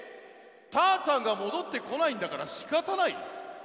「たーちゃんがもどってこないんだからしかたない」？